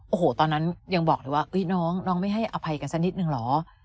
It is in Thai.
โอ้โหตอนนั้นยังบอกเลยว่าน้องน้องไม่ให้อภัยกันสักนิดนึงเหรอ